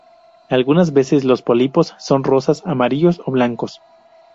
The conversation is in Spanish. Algunas veces Los pólipos son rosas, amarillos o blancos.